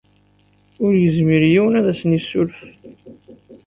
Ur yezmir yiwen ad asen-yessuref.